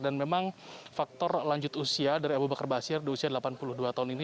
dan memang faktor lanjut usia dari abu bakar basir di usia delapan puluh dua tahun ini